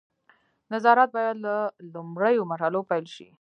نظارت باید له لومړیو مرحلو پیل شي.